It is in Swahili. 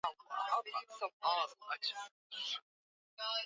Waingereza walitangaza koloni la Massachusetts kuwa eneo la